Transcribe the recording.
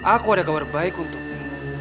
aku ada kabar baik untukmu